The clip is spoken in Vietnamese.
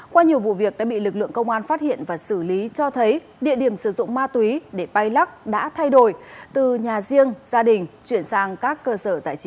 qua nhiều vụ việc đã bị lực lượng công an phát hiện và xử lý cho thấy địa điểm sử dụng ma túy để bay lắc đã thay đổi từ nhà riêng gia đình chuyển sang các cơ sở giải trí